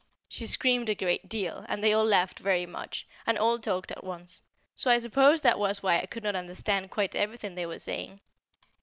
She screamed a great deal, and they all laughed very much, and all talked at once, so I suppose that was why I could not understand quite everything they were saying.